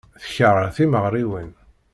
Tekṛeh timeɣriwin.